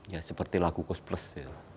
ya seperti lagu kos kos